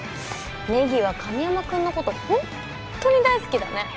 ネギは神山君のことホンットに大好きだね